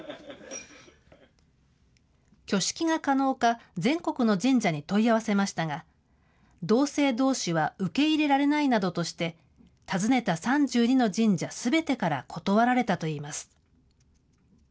挙式が可能か、全国の神社に問い合わせましたが、同性どうしは受け入れられないなどとして、尋ねた３２の神社すべてから断られたといいます。